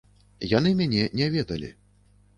Яны мяне не ведалі.